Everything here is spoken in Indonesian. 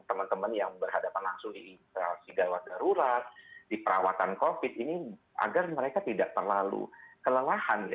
teman teman yang berhadapan langsung di relasi gawat darurat di perawatan covid ini agar mereka tidak terlalu kelelahan